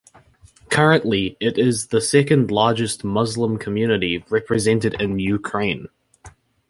Currently it is the second largest Muslim Community represented in Ukraine.